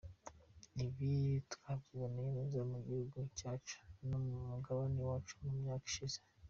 Ibi twabyiboneye neza mu gihugu cyacu no ku mugabane wacu mu myaka yashize.